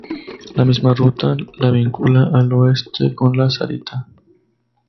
La misma ruta la vincula al oeste con La Sarita.